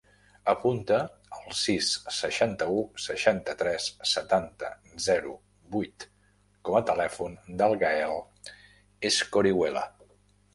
Apunta el sis, seixanta-u, seixanta-tres, setanta, zero, vuit com a telèfon del Gaël Escorihuela.